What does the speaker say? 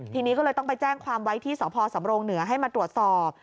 ทีนี้ก็เลยต้องไปแจ้งความไว้ที่สพสำรงเหนือให้มาตรวจสอบ